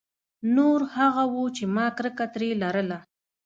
نور هغه وو چې ما کرکه ترې لرله.